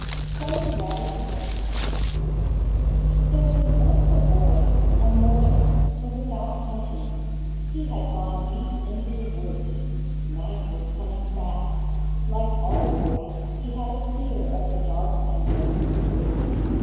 So the rabbit began:— "There was once a boy, a mortal, who was out hunting. He had gone deep into the woods; night was coming fast; like all boys, he had a fear of the dark and lonely woods.